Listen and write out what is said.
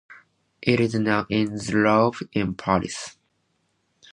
It is now in the Louvre in Paris.